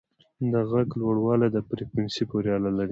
د غږ لوړوالی د فریکونسي پورې اړه لري.